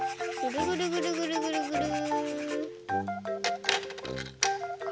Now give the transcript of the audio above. ぐるぐるぐるぐるぐるぐる。